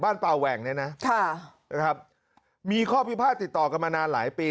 ป่าแหว่งเนี่ยนะค่ะนะครับมีข้อพิพาทติดต่อกันมานานหลายปี